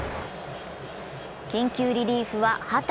緊急リリーフは畠。